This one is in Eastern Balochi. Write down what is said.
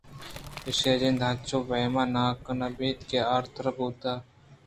ایشی جند انچوبیم ناک نہ اِنت کہ آرتھر بوتگ